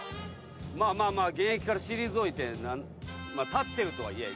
まあまあ現役から退いてたってるとはいえ。